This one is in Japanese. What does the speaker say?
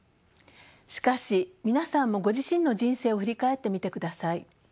しかし皆さんもご自身の人生を振り返ってみてください。